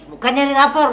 bukan nyari rapor